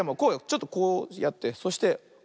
ちょっとこうやってそしておとす。